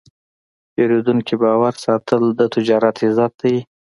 د پیرودونکي باور ساتل د تجارت عزت دی.